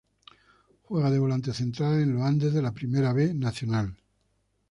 Juega de volante central en Los Andes de la Primera B Nacional.